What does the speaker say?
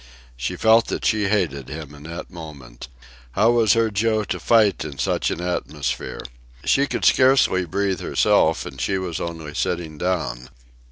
She felt that she hated him in that moment. How was her Joe to fight in such an atmosphere? She could scarcely breathe herself, and she was only sitting down.